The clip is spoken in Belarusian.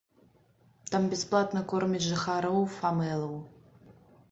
Там бясплатна кормяць жыхароў фавэлаў.